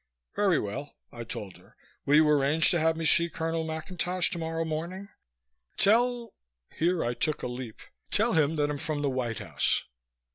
"Very well," I told her. "Will you arrange to have me see Colonel McIntosh tomorrow morning? Tell " here I took a leap "Tell him that I'm from the White House."